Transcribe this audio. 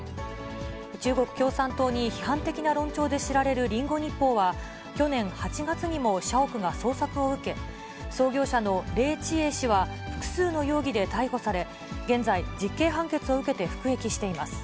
中国共産党に批判的な論調で知られるリンゴ日報は、去年８月にも社屋が捜索を受け、創業者の黎智英氏は複数の容疑で逮捕され、現在、実刑判決を受けて服役しています。